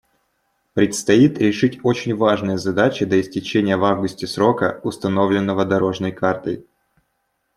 Предстоит решить очень важные задачи до истечения в августе срока, установленного «дорожной картой».